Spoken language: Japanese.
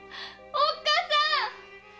おっかさん！